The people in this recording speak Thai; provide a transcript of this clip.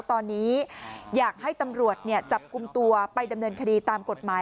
ตอนนี้อยากให้ตำรวจจับกลุ่มตัวไปดำเนินคดีตามกฎหมาย